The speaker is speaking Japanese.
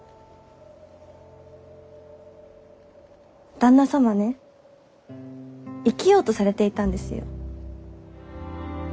旦那様ね生きようとされていたんですよ。